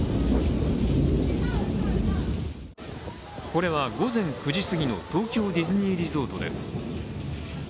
これは午前９時すぎの東京ディズニーリゾートです。